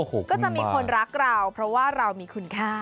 ก็จะมีคนรักเราเพราะว่าเรามีคุณค่า